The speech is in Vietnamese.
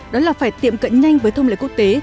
đó là phải tiệm cận nhanh với thông lệ quốc tế